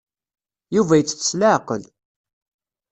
Yuba yettett s leɛqel.